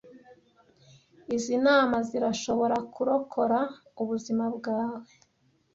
Izi nama zirashobora kurokora ubuzima bwawe.